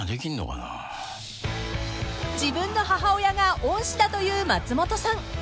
［自分の母親が恩師だという松本さん］